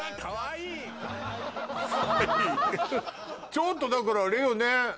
ちょっとだからあれよね。